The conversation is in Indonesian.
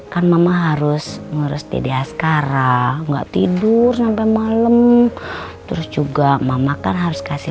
kan mama harus ngurus tidak sekarang enggak tidur sampai malam terus juga mama kan harus kasih